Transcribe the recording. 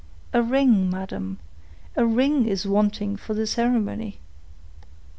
"A ring, madam—a ring is wanting for the ceremony."